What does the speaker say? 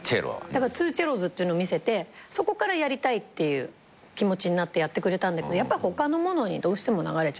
だから２ＣＥＬＬＯＳっていうの見せてそこからやりたいっていう気持ちになってやってくれたけどやっぱ他のものにどうしても流れちゃって。